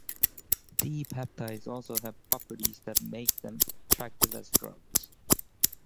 D-peptides also have properties that make them attractive as drugs.